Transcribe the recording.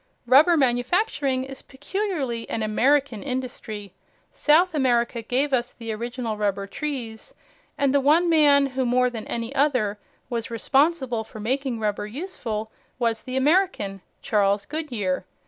Rubber manufacturing is peculiarly an American industry. South America gave us the original rubber trees, and the one man who, more than any other, was responsible for making rubber useful was the American, Charles Goodyear.